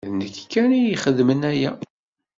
D nekk kan i ixedmen aya.